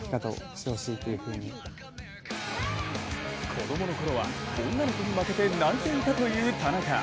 子供のころは女の子に負けて泣いていたという田中。